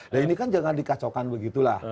nah ini kan jangan dikacaukan begitu lah